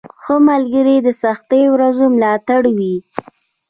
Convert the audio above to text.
• ښه ملګری د سختو ورځو ملاتړ وي.